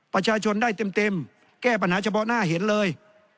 ประชาชนได้เต็มแก้ปัญหาเฉพาะหน้าเห็นเลย